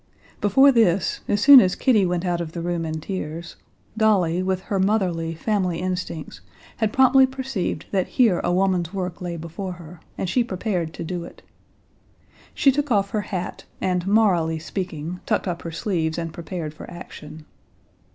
Before this, as soon as Kitty went out of the room in tears, Dolly, with her motherly, family instincts, had promptly perceived that here a woman's work lay before her, and she prepared to do it. She took off her hat, and, morally speaking, tucked up her sleeves and prepared for action.